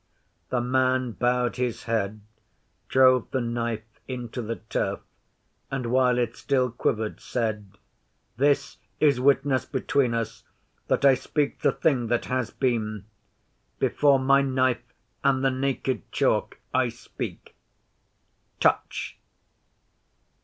The man bowed his head, drove the knife into the turf, and while it still quivered said: 'This is witness between us that I speak the thing that has been. Before my Knife and the Naked Chalk I speak. Touch!